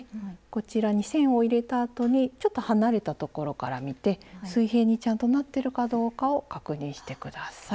こちらに線を入れたあとにちょっと離れたところから見て水平にちゃんとなってるかどうかを確認して下さい。